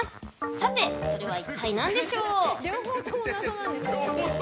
さて、それは一体何でしょう？